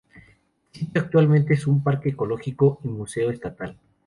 El sitio actualmente es un parque arqueológico y museo estatal.